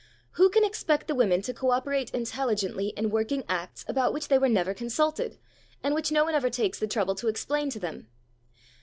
Who can expect the women to co operate intelligently in working Acts about which they were never consulted, and which no one ever takes the trouble to explain to them?